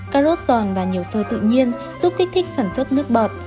cà rốt giòn và nhiều sơ tự nhiên giúp kích thích sản xuất nước bọt